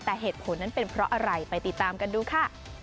แต่เหตุผลนั้นเป็นเพราะอะไรไปติดตามกันดูค่ะ